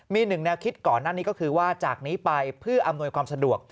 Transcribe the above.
มี๑คิดก่อนหน้านี้คือจากนี้ไปเพื่ออำนวยความสะดวก